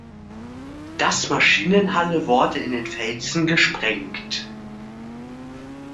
Das Maschinenhalle wurde in den Felsen gesprengt.